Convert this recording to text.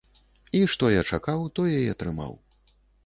І што я чакаў, тое і атрымаў.